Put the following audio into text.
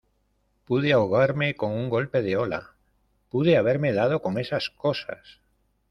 ¡ pude ahogarme con un golpe de ola, pude haberme dado con esas cosas!